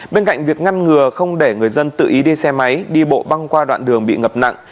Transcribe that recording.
bên cạnh việc ngăn ngừa không để người dân tự ý đi xe máy đi bộ băng qua đoạn đường bị ngập nặng